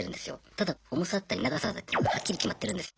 ただ重さだったり長さだったりがはっきり決まってるんです。